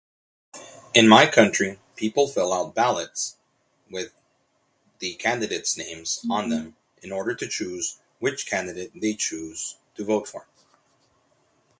In my country, people fill out ballots with the candidates' names on them in order to choose which candidate they choose to vote for.